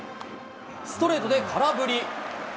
ストレートで空振り。